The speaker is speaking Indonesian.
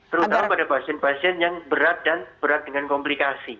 terutama pada pasien pasien yang berat dan berat dengan komplikasi